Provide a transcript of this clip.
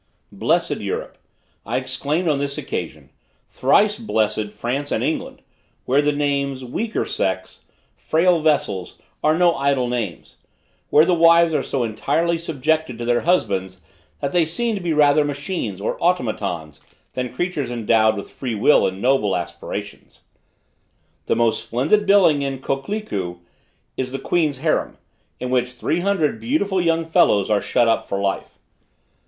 Blessed Europe! I exclaimed on this occasion; thrice blessed France and England! where the names weaker sex frail vessels are no idle names: where the wives are so entirely subjected to their husbands that they seem to be rather machines or automatons than creatures endowed with free will and noble aspirations! The most splendid building in Kokleku is the Queen's harem, in which three hundred beautiful young fellows are shut up for life.